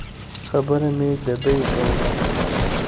خبره مې د بیې کوله.